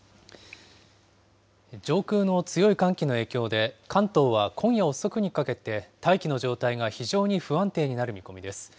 上空の強い寒気の影響で、関東は今夜遅くにかけて、大気の状態が非常に不安定になる見込みです。